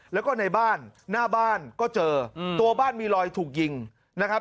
แล้วก็ในบ้านหน้าบ้านก็เจอตัวบ้านมีรอยถูกยิงนะครับ